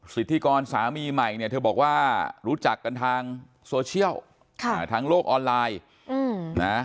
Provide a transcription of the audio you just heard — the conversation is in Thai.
สิทธิกรสามีใหม่เนี่ยเธอบอกว่ารู้จักกันทางโซเชียลทางโลกออนไลน์นะ